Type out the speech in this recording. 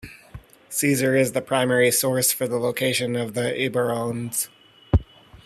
Caesar is the primary source for the location of the Eburones.